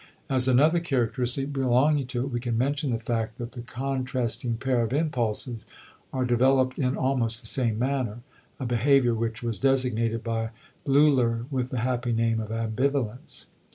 As another characteristic belonging to it we can mention the fact that the contrasting pair of impulses are developed in almost the same manner, a behavior which was designated by Bleuler with the happy name of ambivalence.